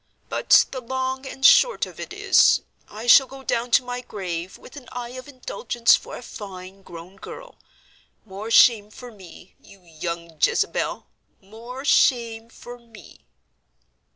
But the long and short or it is, I shall go down to my grave with an eye of indulgence for a fine grown girl. More shame for me, you young Jezebel—more shame for me!"